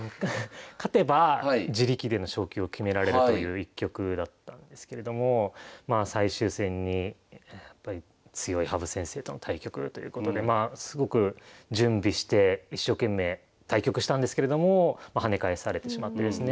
勝てば自力での昇級を決められるという一局だったんですけれども最終戦に強い羽生先生との対局ということですごく準備して一生懸命対局したんですけれども跳ね返されてしまってですね